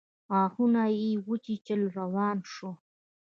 غاښونه يې وچيچل روان شو.